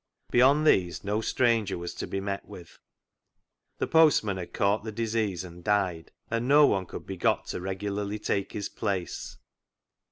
Beyond these no stranger was to be met with. The postman had caught the disease and died, and no one could be got to regularly take his place.